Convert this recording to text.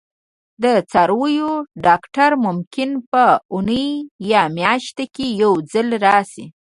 د څارویو ډاکټر ممکن په اونۍ یا میاشت کې یو ځل راشي